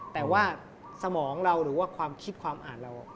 แต่ว่าสมองเราหรือว่าความคิดความอ่านเรา